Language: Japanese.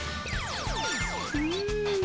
うん。